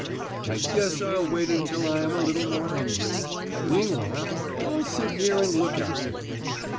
I guess I'll wait until I am a little more hungry. Meanwhile I'll sit here and look at you."